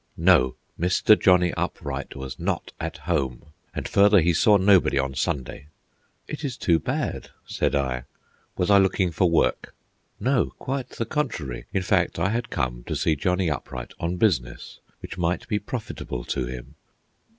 No, Mr. Johnny Upright was not at home, and further, he saw nobody on Sunday. It is too bad, said I. Was I looking for work? No, quite the contrary; in fact, I had come to see Johnny Upright on business which might be profitable to him.